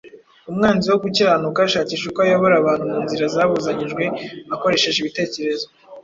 umwanzi wo gukiranuka ashakisha uko ayobora abantu mu nzira zabuzanyijwe akoresheje ibitekerezo